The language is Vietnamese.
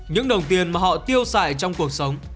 những đồng tiền mà họ tiêu xài trong cuộc sống